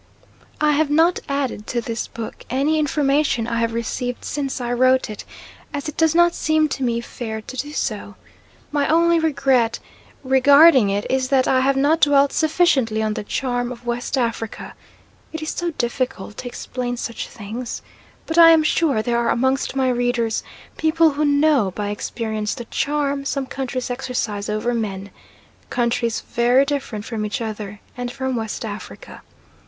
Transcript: I have not added to this book any information I have received since I wrote it, as it does not seem to me fair to do so. My only regret regarding it is that I have not dwelt sufficiently on the charm of West Africa; it is so difficult to explain such things; but I am sure there are amongst my readers people who know by experience the charm some countries exercise over men countries very different from each other and from West Africa.